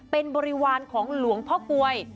เป็นบริวารของหลวงพ่อกลวย